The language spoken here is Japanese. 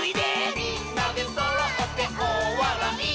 「みんなでそろっておおわらい」